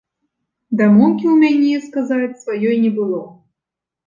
Дамоўкі ў мяне, сказаць, сваёй не было.